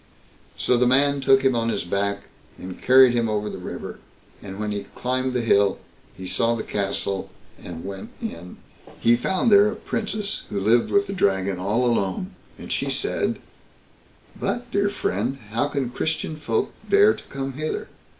So the man took him on his back and carried him over the river; and when he climbed the hill, he saw the castle, and went in. He found there a Princess who lived with the Dragon all alone; and she said: "But, dear friend, how can Christian folk dare to come hither?